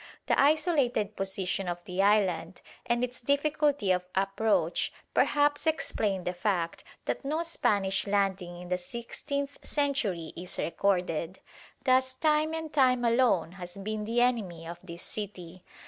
The isolated position of the island and its difficulty of approach perhaps explain the fact that no Spanish landing in the sixteenth century is recorded. Thus time and time alone has been the enemy of this city.